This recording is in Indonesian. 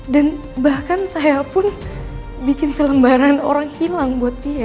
dan bahkan saya pun bikin selembaran orang hilang buat dia